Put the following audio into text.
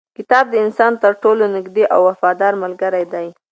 کتاب د انسان تر ټولو نږدې او وفاداره ملګری دی.